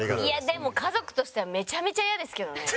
でも家族としてはめちゃめちゃイヤですけどね。